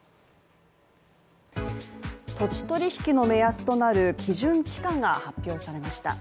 土地取引の目安となる基準地価が発表されました。